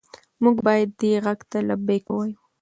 موږ باید دې غږ ته لبیک ووایو.